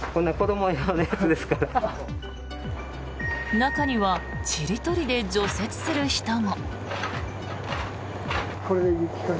中にはちりとりで除雪する人も。